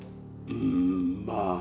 うんまあ